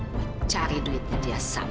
buat cari duitnya dia sama